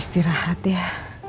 pasti rahat ya